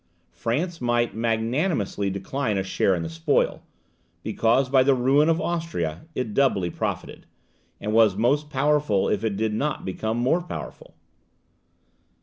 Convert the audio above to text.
France might magnanimously decline a share in the spoil, because by the ruin of Austria it doubly profited, and was most powerful if it did not become more powerful.